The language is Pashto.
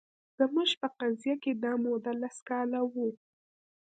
زموږ په قضیه کې دا موده لس کاله وه